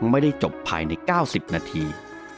ไม่ได้จบภายในเก้าสิบนาที